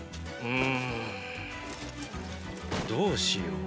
うーんどうしよう。